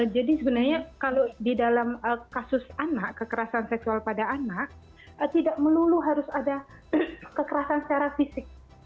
jadi sebenarnya kalau di dalam kasus anak kekerasan seksual pada anak tidak melulu harus ada kekerasan secara fisik